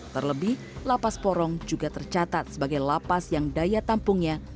terlebih lapas porong juga tercatat sebagai lapas yang daya tampungnya